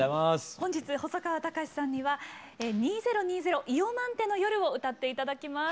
本日細川たかしさんには「２０２０イヨマンテの夜」を歌って頂きます。